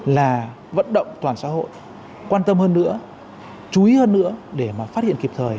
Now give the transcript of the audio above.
là vận động toàn xã hội quan tâm hơn nữa chú ý hơn nữa để mà phát hiện kịp thời